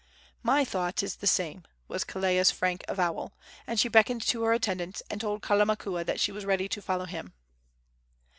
"My thought is the same," was Kelea's frank avowal; and she beckoned to her attendants, and told Kalamakua that she was ready to follow him.